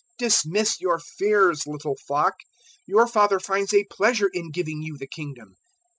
012:032 "Dismiss your fears, little flock: your Father finds a pleasure in giving you the Kingdom.